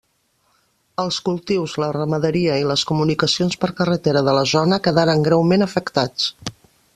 Els cultius, la ramaderia i les comunicacions per carretera de la zona quedaren greument afectats.